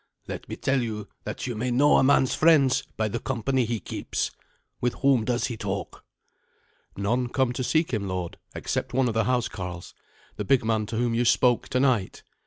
"Let me tell you that you may know a man's friends by the company he keeps. With whom does he talk?" "None come to seek him, lord, except one of the housecarls the big man to whom you spoke tonight.